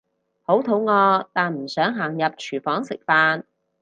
好肚餓但唔想行入廚房飯食